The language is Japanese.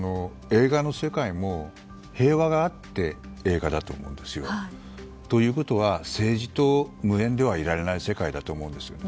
映画の世界も、平和があって映画だと思うんですよ。ということは政治と無縁ではいられない世界だと思うんです。